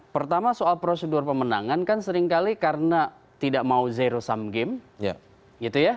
pertama soal prosedur pemenangan kan seringkali karena tidak mau zero sum game gitu ya